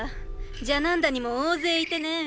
ジャナンダにも大勢いてねェ。